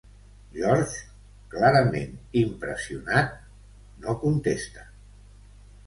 George, clarament impressionat, no contesta.